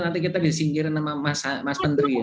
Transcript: nanti kita disingkirin sama mas menteri